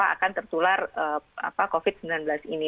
akan tertular covid sembilan belas ini